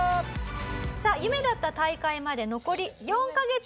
さあ夢だった大会まで残り４カ月。